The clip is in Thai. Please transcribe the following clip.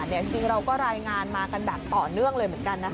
จริงเราก็รายงานมากันแบบต่อเนื่องเลยเหมือนกันนะคะ